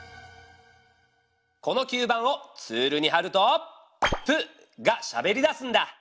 この吸盤をツールにはると「プ」がしゃべりだすんだ。